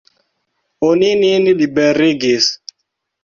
Oni nin liberigis.